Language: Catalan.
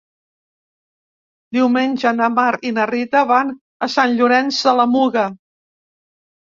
Diumenge na Mar i na Rita van a Sant Llorenç de la Muga.